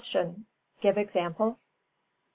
Give examples? A.